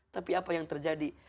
tapi apa yang terjadi